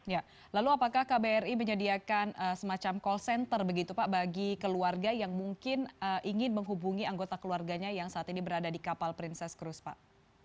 ya lalu apakah kbri menyediakan semacam call center begitu pak bagi keluarga yang mungkin ingin menghubungi anggota keluarganya yang saat ini berada di kapal princess cruise pak